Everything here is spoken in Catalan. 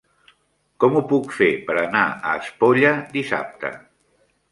Com ho puc fer per anar a Espolla dissabte?